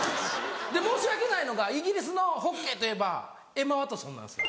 申し訳ないのがイギリスのホッケーといえばエマ・ワトソンなんですよ。